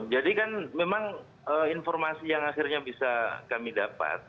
jadi kan memang informasi yang akhirnya bisa kami dapat